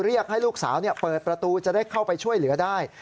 เรียกให้ลูกสาวเปิดประตูจะได้เข้าไปช่วยเหลือได้